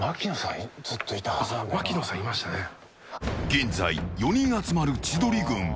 現在、４人集まる千鳥軍。